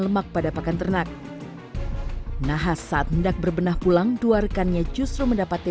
lemak pada pakan ternak nahas saat mendak berbenah pulang dua rekannya justru mendapati